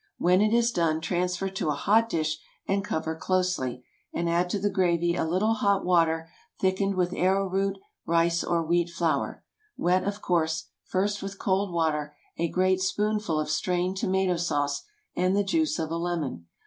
When it is done, transfer to a hot dish and cover closely, and add to the gravy a little hot water thickened with arrow root, rice, or wheat flour,—wet, of course, first with cold water,—a great spoonful of strained tomato sauce, and the juice of a lemon.